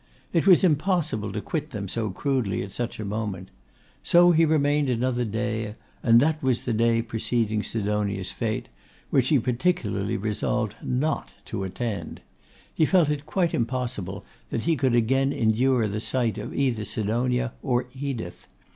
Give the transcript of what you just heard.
It was impossible to quit them so crudely at such a moment. So he remained another day, and that was the day preceding Sidonia's fête, which he particularly resolved not to attend. He felt it quite impossible that he could again endure the sight of either Sidonia or Edith.